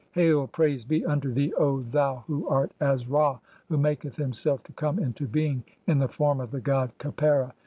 Hail, praise be unto thee, O "thou who art as Ra who maketh himself to come into being "(10) in the form of the god Khepera.